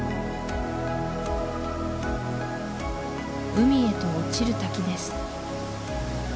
海へと落ちる滝です